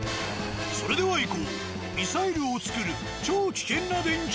それではいこう。を調査。